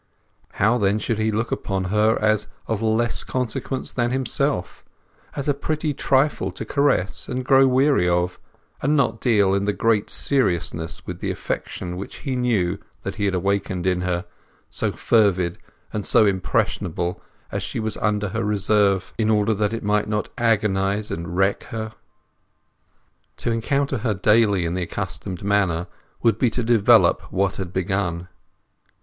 How then should he look upon her as of less consequence than himself; as a pretty trifle to caress and grow weary of; and not deal in the greatest seriousness with the affection which he knew that he had awakened in her—so fervid and so impressionable as she was under her reserve—in order that it might not agonize and wreck her? To encounter her daily in the accustomed manner would be to develop what had begun.